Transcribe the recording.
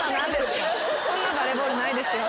そんなバレーボールないです。